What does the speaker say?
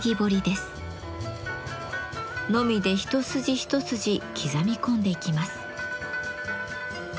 ノミで一筋一筋刻み込んでいきます。